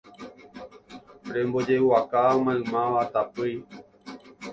Rembojeguaka maymáva tapỹi